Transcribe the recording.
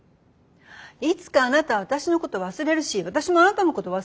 いつかあなたは私のことを忘れるし私もあなたのことを忘れる。